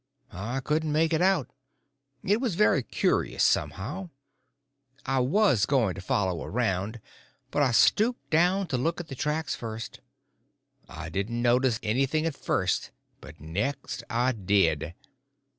I couldn't make it out. It was very curious, somehow. I was going to follow around, but I stooped down to look at the tracks first. I didn't notice anything at first, but next I did.